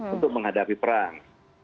untuk menghadapi perang